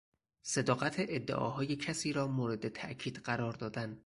صداقت ادعاهای کسی را مورد تاکید قرار دادن